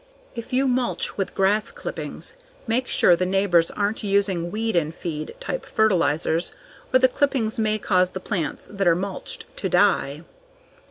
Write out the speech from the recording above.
If you mulch with grass clippings, make sure the neighbors aren't using "weed and feed" type fertilizers, or the clippings may cause the plants that are mulched to die.